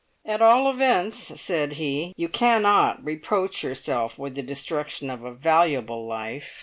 "At all events," said he, "you cannot reproach yourself with the destruction of a valuable life!